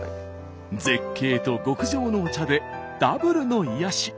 絶景と極上のお茶でダブルの癒やし。